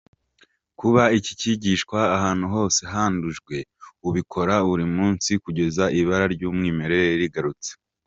Kuba iki gishishwa ahantu hose handujwe, ubikore buri munsi kugeza ibara ry’umwimerere rigarutse.